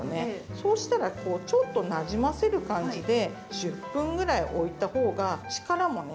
そうしたらちょっとなじませる感じで１０分ぐらいおいた方が力もね